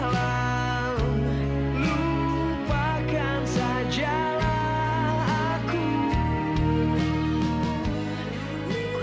lupakan sajalah aku